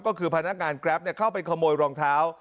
ก็คือพนักงานแกรปเข้าไปขโมยรองเท้า